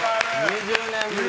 ２０年ぶりです。